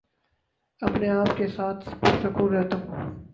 اپنے آپ کے ساتھ پرسکون رہتا ہوں